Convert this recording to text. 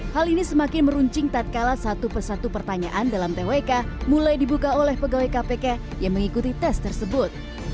hal ini semakin meruncing tak kalah satu persatu pertanyaan dalam twk mulai dibuka oleh pegawai kpk yang mengikuti tes tersebut